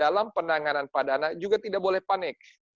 dalam penanganan pada anak juga tidak boleh panik